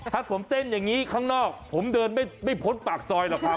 ถ้าผมเต้นอย่างนี้ข้างนอกผมเดินไม่พ้นปากซอยหรอกครับ